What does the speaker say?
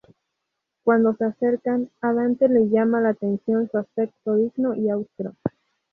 Cuando se acercan, a Dante le llama la atención su aspecto digno y austero.